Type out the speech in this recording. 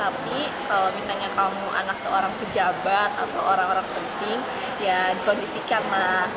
tapi kalau misalnya kamu anak seorang pejabat atau orang orang penting ya dikondisikan lah